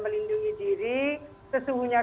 melindungi diri sesungguhnya